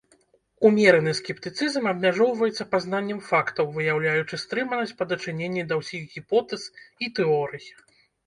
Ўмераны скептыцызм абмяжоўваецца пазнаннем фактаў, выяўляючы стрыманасць па дачыненні да ўсіх гіпотэз і тэорый.